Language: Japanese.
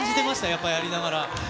やっぱりやりながら。